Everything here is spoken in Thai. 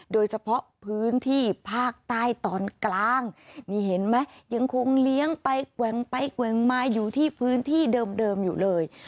โดยเฉพาะพื้นที่ภาคใต้ตอนกลางนี่เห็นไหมยังคงเลี้ยงไปแกว่งไปแกว่งมาอยู่ที่พื้นที่เดิมอยู่เลย